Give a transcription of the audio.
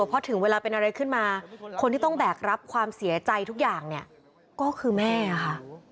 เพราะสุดท้ายเวลาเป็นอะไรขึ้นมาคนที่ต้องแบกรับความเสียใจทั่วอย่างก็คือแม่ค่ะ